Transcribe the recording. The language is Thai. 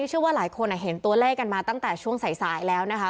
เชื่อว่าหลายคนเห็นตัวเลขกันมาตั้งแต่ช่วงสายแล้วนะคะ